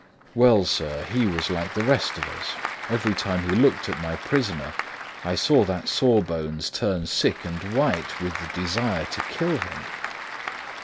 Well, sir, he was like the rest of us; every time he looked at my prisoner, I saw that sawbones turn sick and white with the desire to kill him.